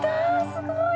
すごい！